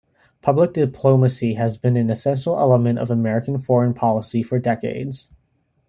Public diplomacy has been an essential element of American foreign policy for decades.